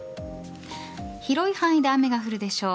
広い範囲で雨が降るでしょう。